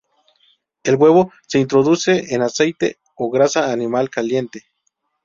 El huevo se introduce en aceite o grasa animal caliente.